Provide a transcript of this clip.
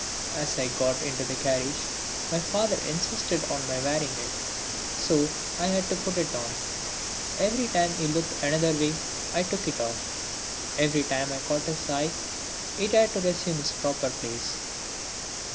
As I got into the carriage my father insisted on my wearing it, so I had to put it on. Every time he looked another way I took it off. Every time I caught his eye it had to resume its proper place.